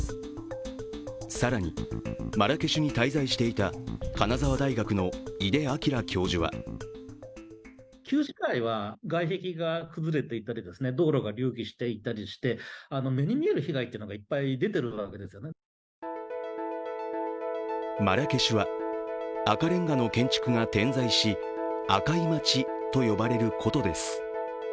更に、マラケシュに滞在していた金沢大学の井出明教授はマラケシュは赤レンガの建築が点在し赤い町と呼ばれる古都です。